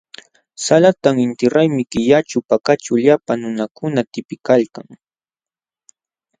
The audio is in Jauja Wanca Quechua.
Salatam intiraymi killaćhu Pakaćhu llapa nunakuna tipiykalkan.